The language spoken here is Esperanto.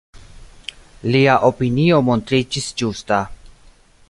Lia opinio montriĝis ĝusta.